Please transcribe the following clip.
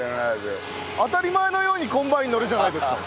当たり前のようにコンバイン乗るじゃないですか。